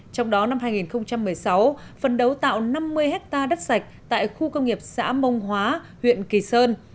trong đó năm hai nghìn một mươi sáu phần đấu tạo năm mươi hectare đất sạch tại khu công nghiệp xã mông hóa huyện kỳ sơn